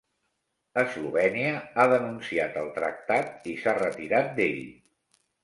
Eslovènia ha denunciat el tractat i s'ha retirat d'ell.